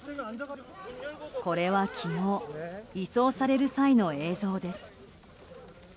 これは昨日、移送される際の映像です。